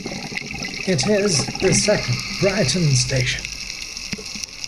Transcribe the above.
It is the second Brighton station.